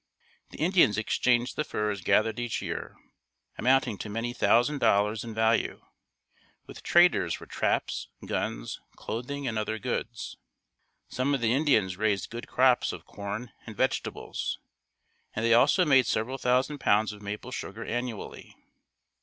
The Indians exchanged the furs gathered each year, amounting to many thousand dollars in value, with traders for traps, guns, clothing and other goods. Some of the Indians raised good crops of corn and vegetables and they also made several thousand pounds of maple sugar annually.